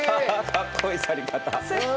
かっこいい去り方。